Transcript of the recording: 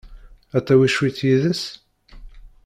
Ad tawi cwiṭ yid-s?